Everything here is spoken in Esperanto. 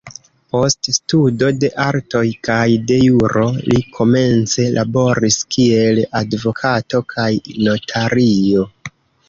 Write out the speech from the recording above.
Post studo de artoj kaj de juro, li komence laboris kiel advokato kaj notario.